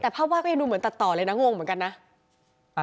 แต่ภาพวาดก็ยังดูเหมือนตัดต่อเลยนะงงเหมือนกันนะ